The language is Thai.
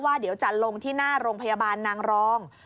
เดี๋ยวจะลงที่หน้าโรงพยาบาลนางรอง